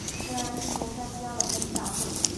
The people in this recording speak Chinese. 两人一同参加了开西大会。